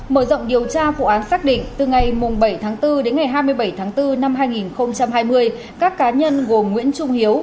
mở rộng điều tra vụ án xác định từ ngày bảy tháng bốn đến ngày hai mươi bảy tháng bốn năm hai nghìn hai mươi các cá nhân gồm nguyễn trung hiếu